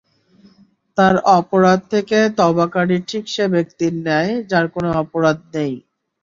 আর অপরাধ থেকে তাওবাকারী ঠিক সে ব্যক্তির ন্যায়, যার কোন অপরাধ নেই।